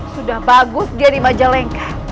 sudah bagus dia di majalengka